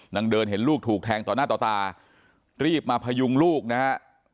เดินเห็นลูกถูกแทงต่อหน้าต่อตารีบมาพยุงลูกนะฮะ